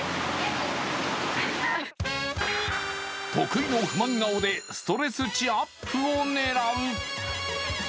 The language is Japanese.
得意の不満顔でストレス値アップを狙う。